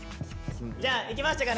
じゃあいけましたか？